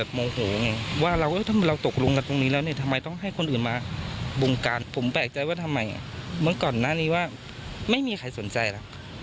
บุงการผมแปลกใจว่าทำไมเมื่อก่อนหน้านี้ว่าไม่มีใครสนใจแล้ว